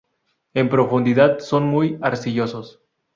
En profundidad son muy arcillosos.